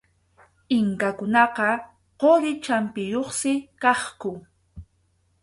Inkakunaqa quri champiyuqsi kaqku.